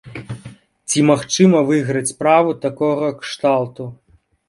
Ці магчыма выйграць справу такога кшталту?